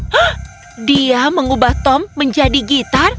hah dia mengubah tom menjadi gitar